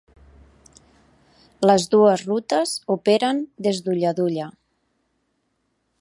Les dues rutes operen des d'Ulladulla.